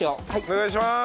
お願いします！